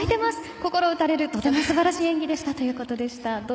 心打たれるとても素晴らしい演技でしたということでした。